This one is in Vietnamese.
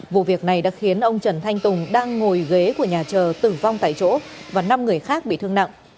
vụ việc này đã khiến ông trần thanh tùng đang ngồi ghế của nhà chờ tử vong tại chỗ và năm người khác bị thương nặng